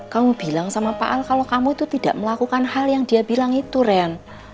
kamu bilang sama pak al kalau kamu itu tidak melakukan hal yang dia bilang itu rean